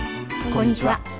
こんにちは。